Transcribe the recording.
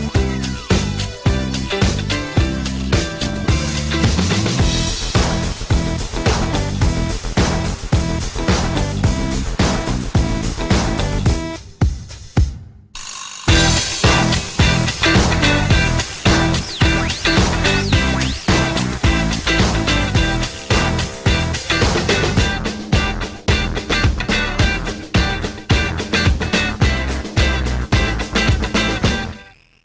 โปรดติดตามตอนต่อไป